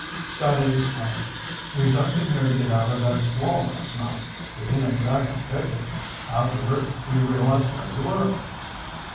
Scotty explained. "We ducked in here to get out of that squall last night. We didn't exactly pick it. Afterward, we realized where we were."